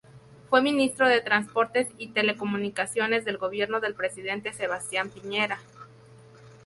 Fue ministro de Transportes y Telecomunicaciones del Gobierno del presidente Sebastián Piñera.